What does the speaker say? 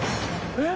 えっ？